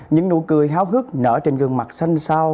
những nụ cười háo hức nở trên gương mặt xanh sao